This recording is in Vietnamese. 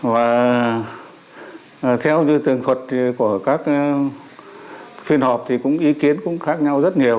và theo như thường thuật của các phiên họp thì ý kiến cũng khác nhau rất nhiều